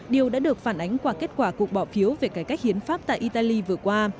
điều đã được phản ánh qua kết quả cuộc bỏ phiếu về cải cách hiến pháp tại italy vừa qua